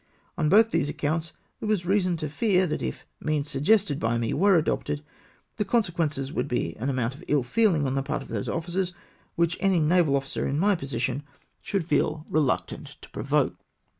On both these accounts there was reason to fear that if means suggested by me were adopted, the consequence would be an amount of ill feehng on the part of those officers, which any naval officer in my position should feel reluctant to provoke.